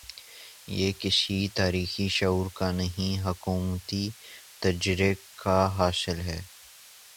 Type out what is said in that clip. یہ کسی تاریخی شعور کا نہیں، حکومتی تجربے کا حاصل ہے۔